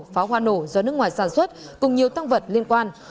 pháo hoa nổ do nước ngoài sản xuất cùng nhiều tăng vật liên quan